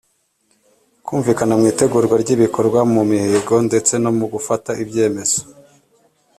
kumvikana mu itegurwa ry’ibikorwa, mu mihigo ndetse no mu gufata ibyemezo.